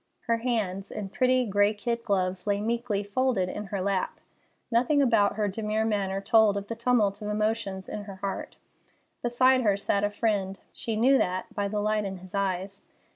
Her hands, in pretty gray kid gloves, lay meekly folded in her lap. Nothing about her demure manner told of the tumult of emotions in her heart. Beside her sat a friend—she knew that by the light in his eyes.